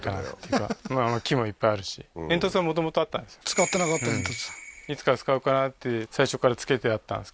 使ってなかった煙突